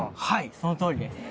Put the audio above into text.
そのとおりです。